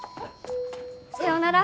さようなら。